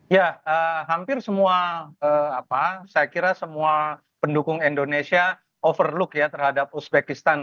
ya hampir semua apa saya kira semua pendukung indonesia overlook ya terhadap uzbekistan